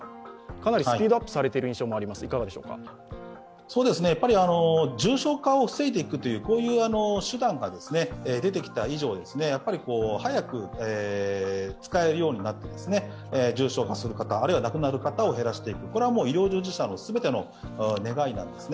かなりスピードアップされている印象がありますが、いかがでしょう重症化を防いでいく手段が出てきた以上早く使えるようになって、重症化する方、あるいは亡くなる方を減らしていく、これは医療従事者の全ての願いなんですね。